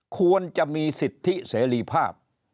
ควรจะมีสิทธิเสรีภาพ